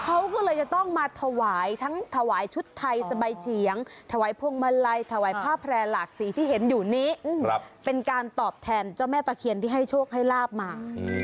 เขาก็เลยจะต้องมาถวายทั้งถวายชุดไทยสบายเฉียงถวายพวงมาลัยถวายผ้าแพร่หลากสีที่เห็นอยู่นี้เป็นการตอบแทนเจ้าแม่ตะเคียนที่ให้โชคให้ลาบมา